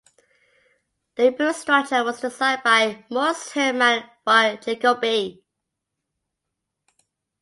The rebuilt structure was designed by Moritz Hermann von Jacobi.